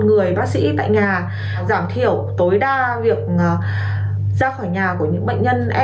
người bác sĩ tại nhà giảm thiểu tối đa việc ra khỏi nhà của những bệnh nhân